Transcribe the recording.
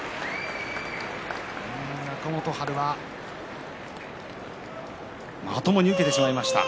若元春はまともに受けてしまいました。